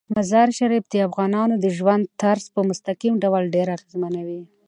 مزارشریف د افغانانو د ژوند طرز په مستقیم ډول ډیر اغېزمنوي.